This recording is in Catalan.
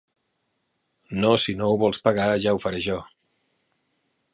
No si no ho vols pagar, ja ho faré jo.